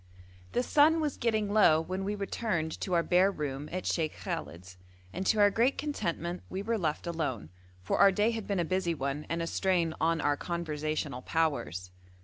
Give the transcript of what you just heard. The sun was getting low when we returned to our bare room at Sheikh Khallet's, and to our great contentment we were left alone, for our day had been a busy one, and a strain on our conversational powers.